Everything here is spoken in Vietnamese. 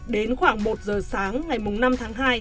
đến khoảng một giờ sáng ngày năm tháng hai